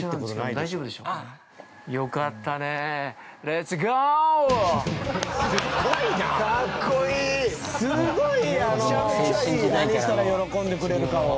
何したら喜んでくれるかを。